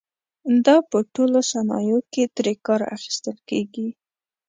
دا په ټولو صنایعو کې ترې کار اخیستل کېږي.